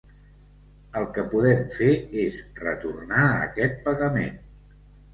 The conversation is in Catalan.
El que podem fer és retornar aquest pagament.